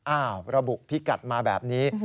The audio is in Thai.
ระบุพิกัดมาแบบนี้